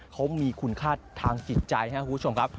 เขามีคุณค่าทางจิตใจครับคุณผู้ชมครับ